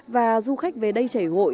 và du khách về đây chảy hội